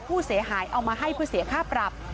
ผู้เสียหายเอามาให้เพื่อเสียค่าปรับ